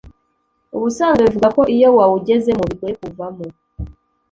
ubusanzwe bivugwa ko iyo wawugezemo bigoye kuwuvamo